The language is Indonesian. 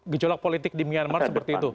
di blok politik di myanmar seperti itu